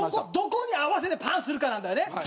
どこに合わせてパンするかなんだよね。